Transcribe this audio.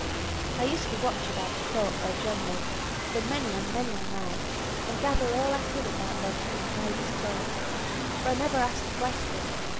I used to watch about the court where John lived, for many and many a night, and gather all I could about them from the neighbours' talk; for I never asked a question.